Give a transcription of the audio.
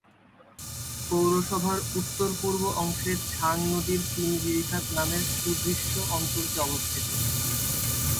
পৌরসভার উত্তর-পূর্ব অংশে ছাং নদীর তিন গিরিখাত নামের সুদৃশ্য অঞ্চলটি অবস্থিত।